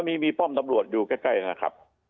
มีป้อมตำรวจอยู่ใกล้นะครับ